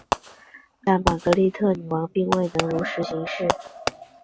但玛格丽特女王并未能如实行事。